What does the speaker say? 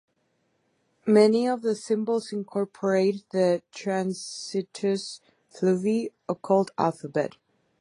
Many of the symbols incorporate the Transitus Fluvii occult alphabet.